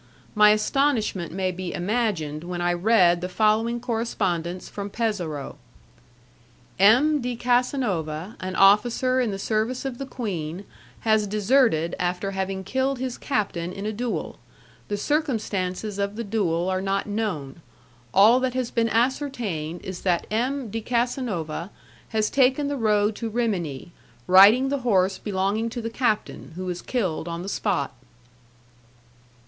My astonishment may be imagined when I read the following correspondence from Pesaro: "M. de Casanova, an officer in the service of the queen, has deserted after having killed his captain in a duel; the circumstances of the duel are not known; all that has been ascertained is that M. de Casanova has taken the road to Rimini, riding the horse belonging to the captain, who was killed on the spot."